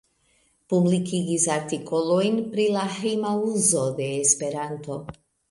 Publikigis artikolojn pri la hejma uzo de Esperanto.